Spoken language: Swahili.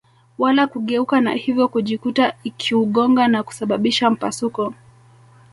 wala kugeuka na hivyo kujikuta ikiugonga na kusababisha mpasuko